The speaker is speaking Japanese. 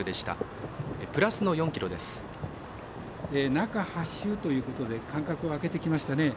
中８週ということで間隔を空けてきましたね。